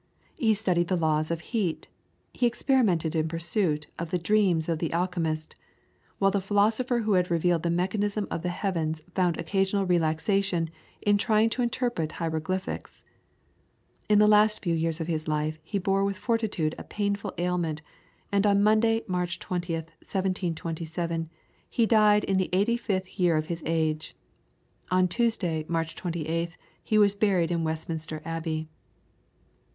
He studied the laws of heat; he experimented in pursuit of the dreams of the Alchymist; while the philosopher who had revealed the mechanism of the heavens found occasional relaxation in trying to interpret hieroglyphics. In the last few years of his life he bore with fortitude a painful ailment, and on Monday, March 20th, 1727, he died in the eighty fifth year of his age. On Tuesday, March 28th, he was buried in Westminster Abbey.